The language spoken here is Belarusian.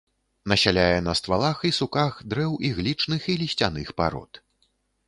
Насяляе на ствалах і суках дрэў іглічных і лісцяных парод.